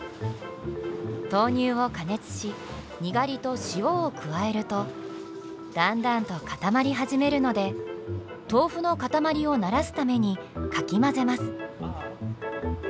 豆乳を加熱しニガリと塩を加えるとだんだんと固まり始めるので豆腐の塊をならすためにかき混ぜます。